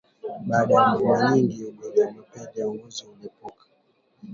Baada ya mvua nyingi ugonjwa wa mapele ya ngozi hulipuka